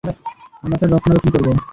আমরা তার রক্ষণাবেক্ষণ করব।